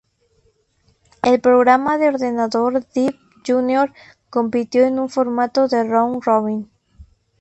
El programa de ordenador Deep Junior compitió en un formato de round robin.